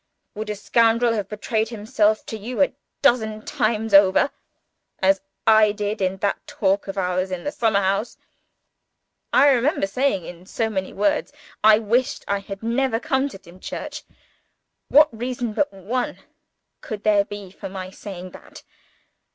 Would a scoundrel have betrayed himself to you a dozen times over as I did in that talk of ours in the summer house? I remember saying in so many words, I wished I had never come to Dimchurch. What reason but one could there be for my saying that?